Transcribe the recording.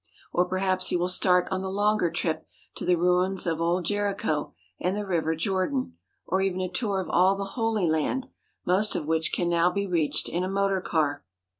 Or perhaps he will start on the longer trip to the ruins of old Jericho and the River Jordan, or even a tour of all the Holy Land, most of which can now be reached in a motor car.